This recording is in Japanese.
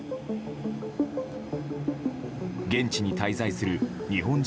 現地に滞在する日本人